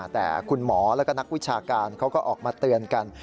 แต่คุณหมอแล้วก็นักวิชาการเขาก็ออกมาเตือนกัน